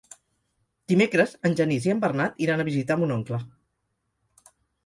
Dimecres en Genís i en Bernat iran a visitar mon oncle.